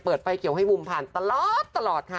เปิดไฟเขียวให้บูมผ่านตลอดตลอดค่ะ